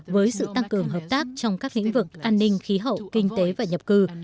với sự tăng cường hợp tác trong các lĩnh vực an ninh khí hậu kinh tế và nhập cư